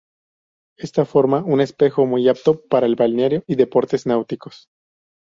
Esta forma un espejo muy apto para el balneario y deportes náuticos.